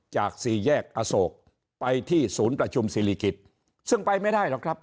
สี่แยกอโศกไปที่ศูนย์ประชุมศิริกิจซึ่งไปไม่ได้หรอกครับ